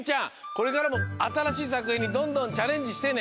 これからもあたらしいさくひんにどんどんチャレンジしてね！